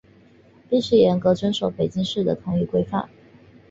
必须严格遵守北京市的统一规范